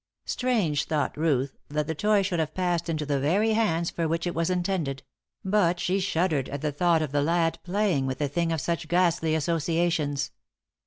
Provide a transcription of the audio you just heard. Strange, thought Ruth, that the toy should have passed into the very hands for which it was intended; but she shuddered at the thought of the lad playing with a thing of such ghastly associations!